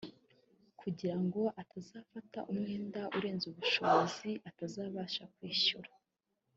kugira ngo atazafata umwenda urenze ubushobozi atazabasha kwishyura